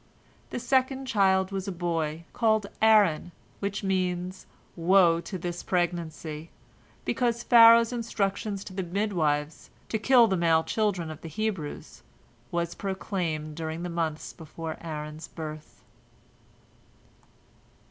The second child was a boy, called Aaron, which means, "Woe unto this pregnancy!" because Pharaoh's instructions to the midwives, to kill the male children of the Hebrews, was proclaimed during the months before Aaron's birth.